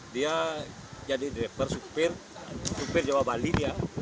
dia jadi driver supir supir jawa bali dia